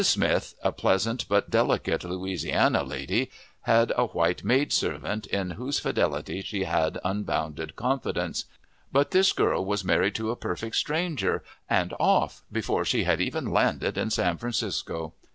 Smith, a pleasant but delicate Louisiana lady, had a white maid servant, in whose fidelity she had unbounded confidence; but this girl was married to a perfect stranger, and off before she had even landed in San Francisco.